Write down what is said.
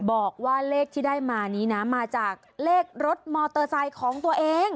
บอกว่าเลขที่ได้มานี้นะมาจากเลขรถมอเตอร์ไซค์ของตัวเอง